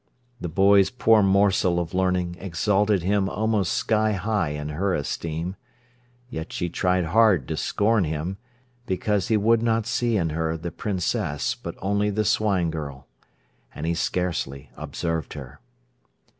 The boy's poor morsel of learning exalted him almost sky high in her esteem. Yet she tried hard to scorn him, because he would not see in her the princess but only the swine girl. And he scarcely observed her.